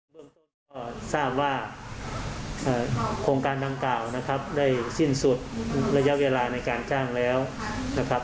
เมืองต้นก็ทราบว่าโครงการดังกล่าวนะครับได้สิ้นสุดระยะเวลาในการจ้างแล้วนะครับ